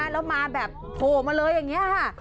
แล้วมาแบบโผล่มาเลยอย่างนี้ค่ะ